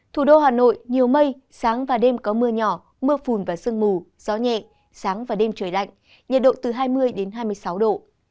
thủ đô hà nội nhiều mây sáng và đêm có mưa nhỏ mưa phùn và sương mù gió nhẹ sáng và đêm trời lạnh nhiệt độ từ hai mươi hai mươi sáu độ